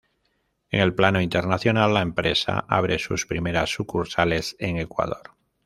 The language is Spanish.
En el plano internacional, la empresa abre sus primeras sucursales en Ecuador.